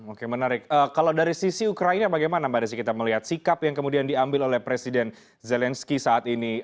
oke menarik kalau dari sisi ukraina bagaimana mbak desi kita melihat sikap yang kemudian diambil oleh presiden zelensky saat ini